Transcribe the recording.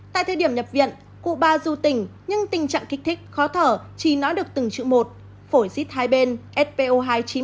tại thời điểm nhập viện cụ ba du tình nhưng tình trạng kích thích khó thở chỉ nói được từng chữ một phổi dít hai bên spo hai chín mươi năm